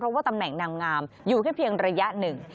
เพราะว่าตำแหน่งนางงามอยู่แค่เพียงระยะหนึ่ง